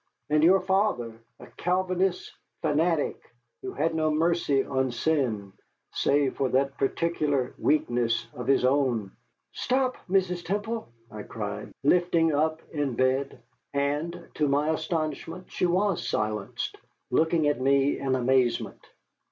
And your father. A Calvinist fanatic who had no mercy on sin, save for that particular weakness of his own " "Stop, Mrs. Temple!" I cried, lifting up in bed. And to my astonishment she was silenced, looking at me in amazement.